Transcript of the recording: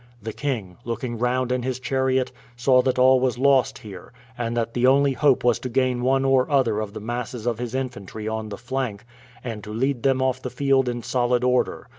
The king, looking round in his chariot, saw that all was lost here, and that the only hope was to gain one or other of the masses of his infantry on the flank, and to lead them off the field in solid order.